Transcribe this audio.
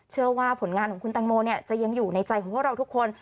ว่าผลงานของคุณแตงโมจะยังอยู่ในใจของพวกเราทุกคน